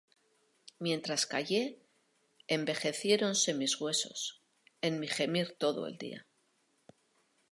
Mientras callé, envejeciéronse mis huesos En mi gemir todo el día.